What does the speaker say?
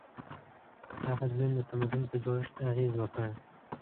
دا بدلون د تمدن په جوړښت اغېز وکړ.